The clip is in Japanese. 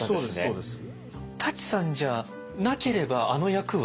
舘さんじゃなければあの役は。